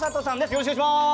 よろしくお願いします。